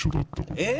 えっ！